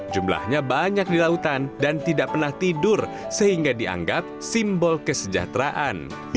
jumlahnya banyak di lautan dan tidak pernah tidur sehingga dianggap simbol kesejahteraan